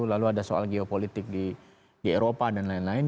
lalu ada soal geopolitik di eropa dan lain lain